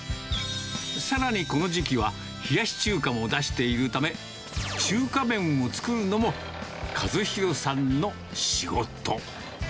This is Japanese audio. さらに、この時期は冷やし中華も出しているため、中華麺を作るのも和宏さんの仕事。